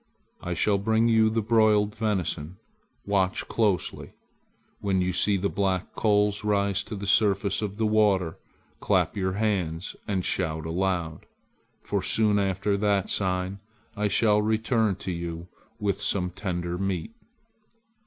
I shall bring you the broiled venison. Watch closely. When you see the black coals rise to the surface of the water, clap your hands and shout aloud, for soon after that sign I shall return to you with some tender meat."